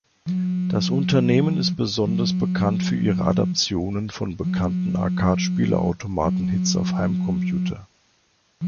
Das Unternehmen ist besonders bekannt für ihre Adaptionen von bekannten Arcade Spielautomaten-Hits auf Heimcomputer.